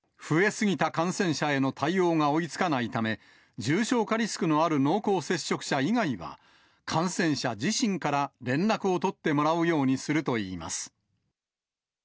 増え過ぎた感染者への対応が追いつかないため、重症化リスクのある濃厚接触者以外は、感染者自身から連絡を取ってもらうようにするといいます。